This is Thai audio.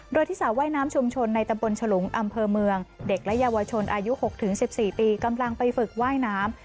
โดยที่สระว่ายน้ำชุมชนในตำบลฉลุงอำเภอเมืองเด็กและเยาวชนอายุ๖๑๔ปีกำลังไปฝึกว่ายน้ำ